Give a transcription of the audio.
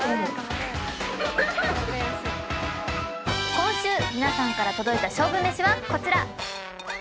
今週皆さんから届いた勝負めしはこちら。